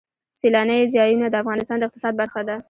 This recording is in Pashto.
سیلانی ځایونه د افغانستان د اقتصاد برخه ده.